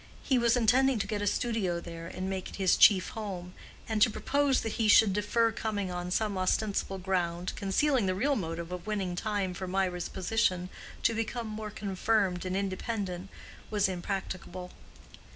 He was intending to get a studio there and make it his chief home; and to propose that he should defer coming on some ostensible ground, concealing the real motive of winning time for Mirah's position to become more confirmed and independent, was impracticable.